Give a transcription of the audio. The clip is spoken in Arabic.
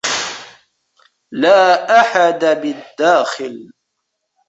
لا أحد بالداخل.